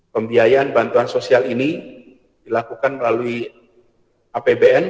pembiayaan bantuan sosial ini dilakukan melalui apbn